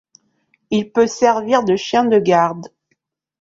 Il peut servir de chien de garde.